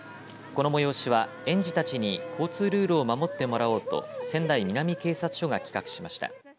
この催しは園児たちに交通ルールを守ってもらおうと仙台南警察署が企画しました。